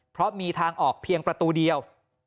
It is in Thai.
เพราะมีทางออกเพียงประตูเดียว